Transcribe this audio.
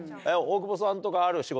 大久保さんとかある？